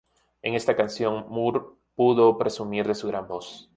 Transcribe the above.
En esta canción Moore puedo presumir de su gran voz.